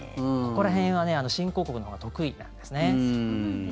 ここら辺は新興国のほうが得意なんですね。